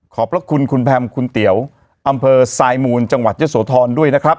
พระคุณคุณแพมคุณเตี๋ยวอำเภอสายมูลจังหวัดเยอะโสธรด้วยนะครับ